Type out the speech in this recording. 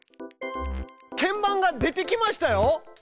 鍵盤が出てきましたよ。